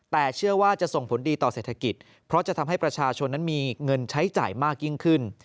แต่เชื่อว่าจะส่งผลดีต่อเศรษฐกิจเพราะจะทำให้ประชาชนนั้นมีเงินใช้จ่ายมากยิ่งขึ้น